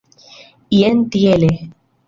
Jen tiele.